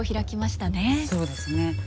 そうですね。